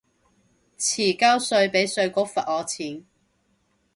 遲交稅被稅局罰我錢